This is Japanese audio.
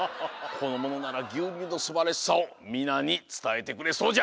このものならぎゅうにゅうのすばらしさをみなにつたえてくれそうじゃ！